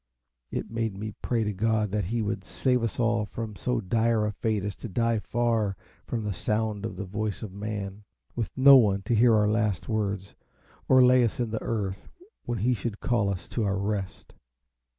It made me pray to God that He would save us all from so dire a fate as to die far from the sound of the voice of man, with no one to hear our last words, or lay us in the earth when He should call us to our rest.